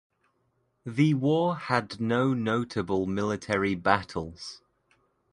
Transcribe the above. The war had no notable military battles.